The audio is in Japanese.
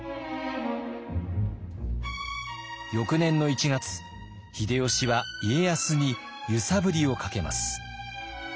翌年の１月秀吉は家康に揺さぶりをかけます。